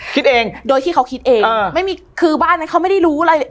คิดเองโดยที่เขาคิดเองไม่มีคือบ้านนั้นเขาไม่ได้รู้อะไร